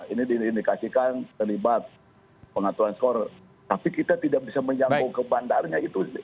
ini diindikasikan terlibat pengaturan skor tapi kita tidak bisa menjangkau ke bandarnya itu